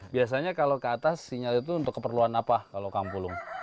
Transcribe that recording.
biasanya kalau ke atas sinyal itu untuk keperluan apa kalau kang pulung